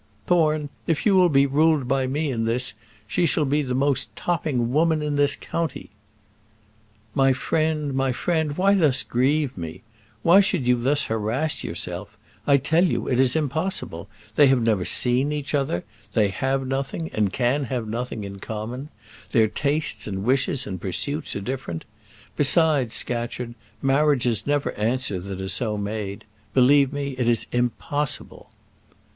"Thorne, if you will be ruled by me in this, she shall be the most topping woman in this county." "My friend, my friend, why thus grieve me? Why should you thus harass yourself? I tell you it is impossible. They have never seen each other; they have nothing, and can have nothing in common; their tastes, and wishes, and pursuits are different. Besides, Scatcherd, marriages never answer that are so made; believe me, it is impossible."